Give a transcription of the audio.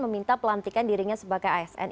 meminta pelantikan dirinya sebagai asn